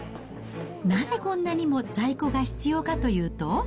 なぜこんなにも在庫が必要かというと。